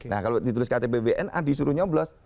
nah kalau ditulis ktp wna disuruh nyoblos